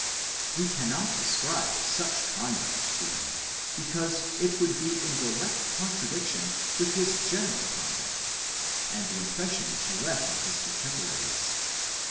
We cannot ascribe such conduct to. him, because it would be in direct contradiction with his general conduct, and the impression which he left on his cotemporaries.